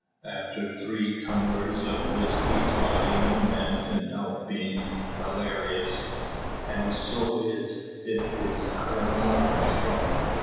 After three tumblers of whisky toddy no man can help being hilarious; and so is it with Colonel Armstrong.